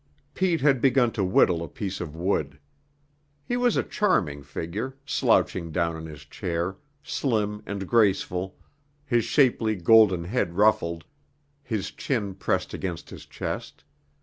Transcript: Pete had begun to whittle a piece of wood. He was a charming figure, slouching down in his chair, slim and graceful, his shapely golden head ruffled, his chin pressed against his chest.